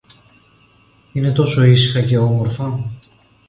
Είναι τόσο ήσυχα και όμορφα!